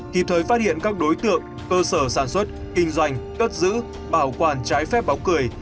kịp thời phát hiện các đối tượng cơ sở sản xuất kinh doanh cất giữ bảo quản trái phép bóng cười